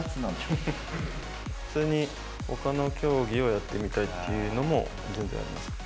普通に、ほかの競技をやってみたいっていうのも全然あります。